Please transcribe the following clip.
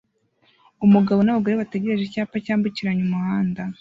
Umugabo n'abagore bategereje icyapa cyambukiranya umuhanda